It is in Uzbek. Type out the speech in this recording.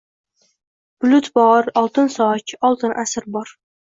Bulut bor, oltin soch, oltin asr bor